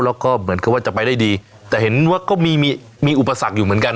แล้วก็เหมือนกับว่าจะไปได้ดีแต่เห็นว่าก็มีมีอุปสรรคอยู่เหมือนกัน